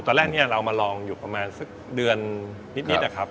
ตอนแรกเนี่ยเรามาลองอยู่ประมาณสักเดือนนิดนะครับ